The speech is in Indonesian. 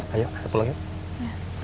ayo ke pulau ya